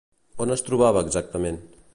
On es trobava exactament?